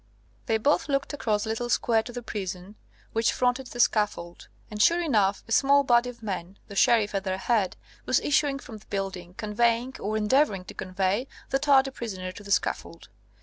] They both looked across the little square to the prison, which fronted the scaffold; and sure enough, a small body of men, the Sheriff at their head, was issuing from the building, conveying, or endeavouring to convey, the tardy prisoner to the scaffold.